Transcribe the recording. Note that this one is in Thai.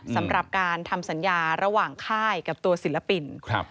สำหรับการทำสัญญาระหว่างค่ายกับตัวศิลปินครับ